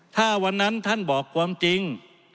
ถ้าวันนั้นท่านบอกความจริง